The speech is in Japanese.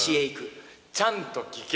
ちゃんと聞け！